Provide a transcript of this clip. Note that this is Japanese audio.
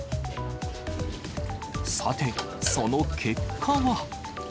さて、その結果は。